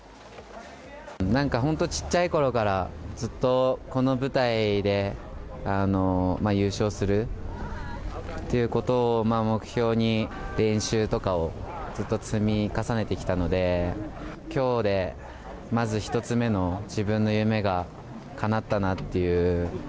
なんか本当、ちっちゃいころからずっと、この舞台で優勝するっていうことを目標に、練習とかをずっと積み重ねてきたので、きょうでまず１つ目の自分の夢がかなったなっていう。